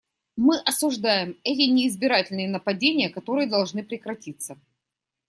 Мы осуждаем эти неизбирательные нападения, которые должны прекратиться.